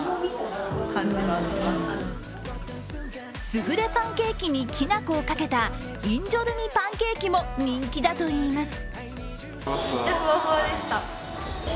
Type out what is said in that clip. スフレパンケーキにきな粉をかけたインジョルミパンケーキも人気だといいます。